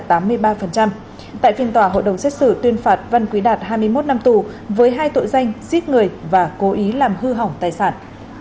tại phiên tòa hội đồng xét xử tuyên phạt văn quý đạt hai mươi một năm tù với hai tội danh giết người và cố ý làm hư hỏng tài sản